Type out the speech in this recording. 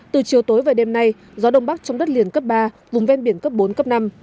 từ chiều tối và đêm nay gió đông bắc trong đất liền cấp ba vùng ven biển cấp bốn cấp năm